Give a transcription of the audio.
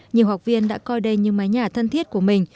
nhiều học viên đã coi đây như mái nhà thân thiết của mình